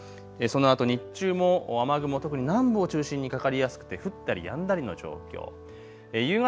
その後日中も雨雲、特に南部を中心にかかりやすくて降ったりやんだりの状況。